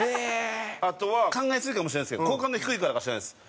あとは考えすぎかもしれないですけど好感度低いからか知らないです。